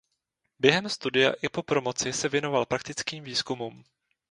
Během studia i po promoci se věnoval praktickým výzkumům.